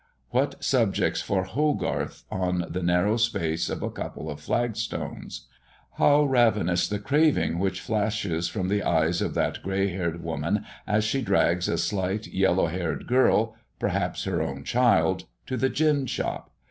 What subjects for Hogarth on the narrow space of a couple of flag stones! How ravenous the craving which flashes from the eyes of that grey haired woman, as she drags a slight, yellow haired girl perhaps her own child to the gin shop!